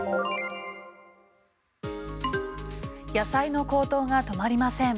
野菜の高騰が止まりません。